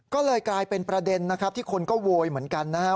ก็เลยกลายเป็นประเด็นนะครับที่คนก็โวยเหมือนกันนะครับ